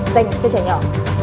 dành cho trẻ nhỏ